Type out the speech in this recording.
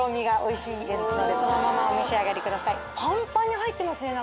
パンパンに入ってますね中。